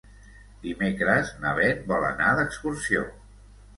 Dimecres na Beth vol anar d'excursió.